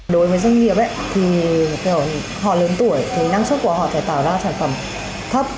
đối với doanh nghiệp thì họ lớn tuổi thì năng suất của họ phải tạo ra sản phẩm thấp